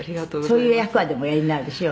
「そういう役はでもおやりになるでしょ？